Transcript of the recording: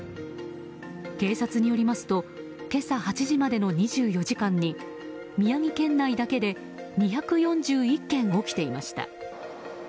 警察によりますと今朝８時までの２４時間に宮城県内だけで２４１件起きていました。